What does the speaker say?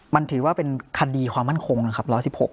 มันถือว่าเป็นคดีความมั่นคงนะครับ๑๑๖